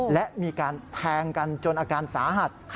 และมีการแทงกันจนอาการสาหัส